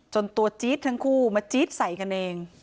ตัวจี๊ดทั้งคู่มาจี๊ดใส่กันเอง